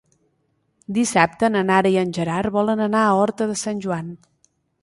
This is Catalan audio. Dissabte na Nara i en Gerard volen anar a Horta de Sant Joan.